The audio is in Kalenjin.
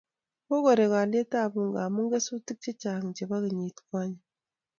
Kokorek olyetab Unga amu kesutik chechang chebo kenyit konye